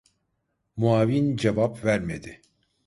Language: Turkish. Muavin cevap vermedi.